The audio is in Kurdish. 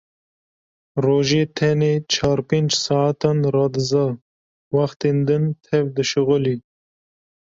Rojê tenê çar pênc saetan radiza, wextên din tev dişixulî.